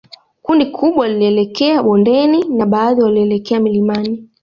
Kundi kubwa lilielekea bondeni na baadhi walielekea milimani